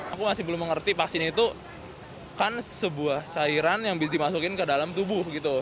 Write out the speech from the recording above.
aku masih belum mengerti vaksin itu kan sebuah cairan yang bisa dimasukin ke dalam tubuh gitu